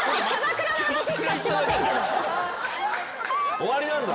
終わりなんだ。